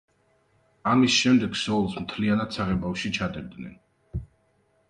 ამის შემდეგ ქსოვილს მთლიანად საღებავში ჩადებდნენ.